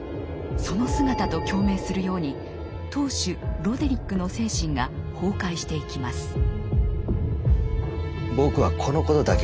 その姿と共鳴するように当主ロデリックの精神が崩壊していきます。